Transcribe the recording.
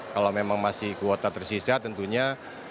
kalau memang masih kuota tersisa tentunya